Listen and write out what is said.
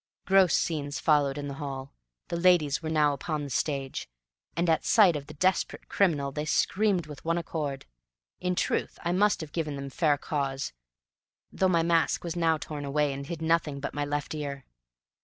Gross scenes followed in the hall; the ladies were now upon the stage, and at sight of the desperate criminal they screamed with one accord. In truth I must have given them fair cause, though my mask was now torn away and hid nothing but my left ear.